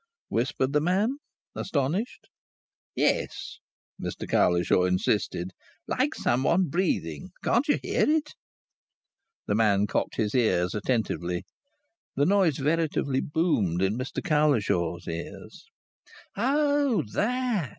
whispered the man, astonished. "Yes," Mr Cowlishaw insisted. "Like something breathing. Can't you hear it?" The man cocked his ears attentively. The noise veritably boomed in Mr Cowlishaw's ears. "Oh! That!"